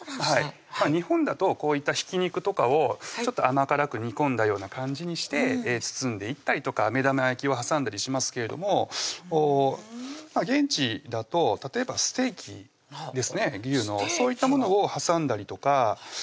日本だとこういったひき肉とかをちょっと甘辛く煮込んだような感じにして包んでいったりとか目玉焼きを挟んだりしますけども現地だと例えばステーキですね牛のそういったものを挟んだりとかするんですね